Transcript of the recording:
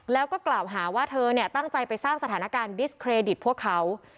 แล้วก็กล่าวหาว่าเธอตั้งใจไปสร้างสถานการณ์ดิสเครดิตพวกเขา